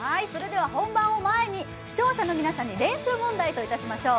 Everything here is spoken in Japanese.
本番を前に視聴者の皆さんに練習問題といたしましょう。